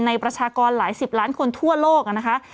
ประชากรหลายสิบล้านคนทั่วโลกนะคะ